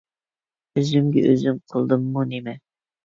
ئۆزۈمگە ئۆزۈم قىلدىممۇ نېمە؟